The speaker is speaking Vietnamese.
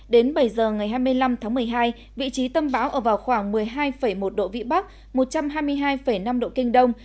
đến bảy giờ ngày hai mươi năm tháng một mươi hai vị trí tâm bão ở vào khoảng một mươi hai một độ vĩ bắc một trăm hai mươi hai năm độ kinh đông